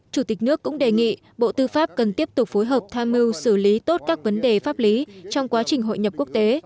chủ tịch nước cũng đề nghị bộ tư pháp cần tiếp tục phối hợp tham mưu xử lý tốt các vấn đề pháp lý trong quá trình hội nhập quốc tế